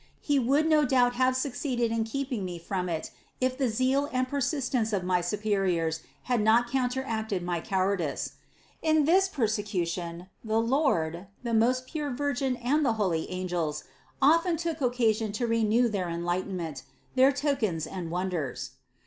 He would no doubt have succeeded in keep ing me from it if the zeal and persistence of my superiors had not counteracted my cowardice. In this persecution the Lord, the most pure Virgin and the holy angels often took occasion to renew their enlightenment, their tokens and wonders.